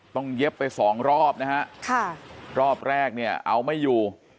ต้องเย็บไป๒รอบนะครับรอบแรกเนี่ยเอาไม่อยู่